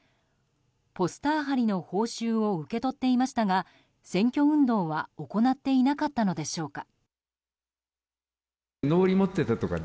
ポスター貼りの報酬を受け取っていましたが選挙運動は行っていなかったのでしょうか。